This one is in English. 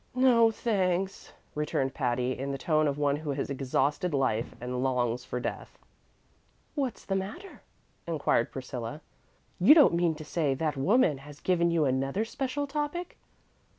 "No, thanks," returned Patty, in the tone of one who has exhausted life and longs for death. "What's the matter?" inquired Priscilla. "You don't mean to say that woman has given you another special topic?"